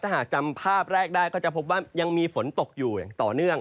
ถ้าหากจำภาพแรกได้ก็จะพบว่ายังมีฝนตกอยู่อย่างต่อเนื่อง